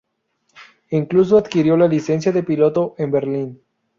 Incluso adquirió la licencia de piloto en Berlín.